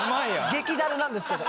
激だるなんですけど！